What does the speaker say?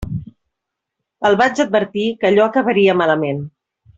El vaig advertir que allò acabaria malament.